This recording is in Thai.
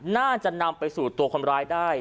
น่าจะนำไปสู่ตัวคนร้ายได้